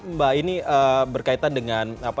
mbak aini berkaitan dengan